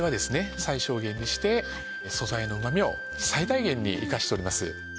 最小限にして素材のうまみを最大限に生かしております。